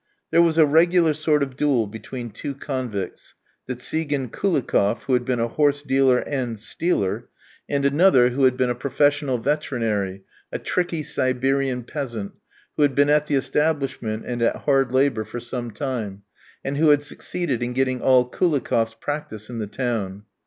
There was a regular sort of duel between two convicts the Tsigan Koulikoff, who had been a horse dealer and stealer, and another who had been a professional veterinary, a tricky Siberian peasant, who had been at the establishment and at hard labour for some time, and who had succeeded in getting all Koulikoff's practice in the town.